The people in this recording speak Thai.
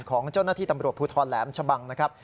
ของเจ้าหน้าที่ตำรวจภูทรแหลมชะบังนะครับ